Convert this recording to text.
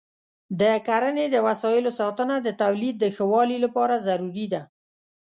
د کرنې د وسایلو ساتنه د تولید د ښه والي لپاره ضروري ده.